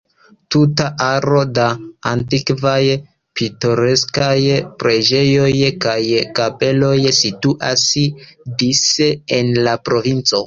Tuta aro da antikvaj, pitoreskaj preĝejoj kaj kapeloj situas dise en la provinco.